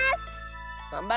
がんばれ！